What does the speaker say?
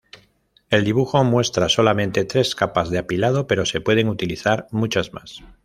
El dibujo muestra solamente tres capas de apilado pero se pueden utilizar muchas más.